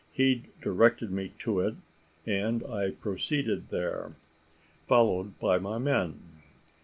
He directed me to it, and I proceeded there, followed by my men.